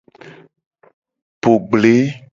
Po gble.